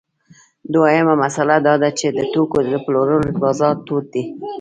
دویمه مسئله دا ده چې د توکو د پلورلو بازار تود دی